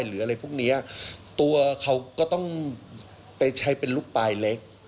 หรืออะไรพวกเนี้ยตัวเขาก็ต้องไปใช้เป็นลูกปลายเล็ก